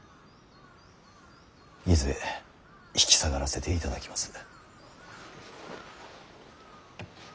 伊豆へ引き下がらせていただきます。